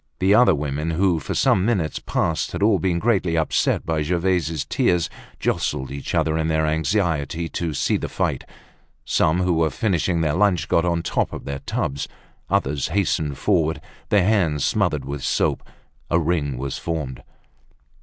The other women, who for some minutes past had all been greatly upset by Gervaise's tears, jostled each other in their anxiety to see the fight. Some, who were finishing their lunch, got on the tops of their tubs. Others hastened forward, their hands smothered with soap. A ring was formed.